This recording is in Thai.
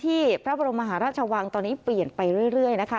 พระบรมมหาราชวังตอนนี้เปลี่ยนไปเรื่อยนะคะ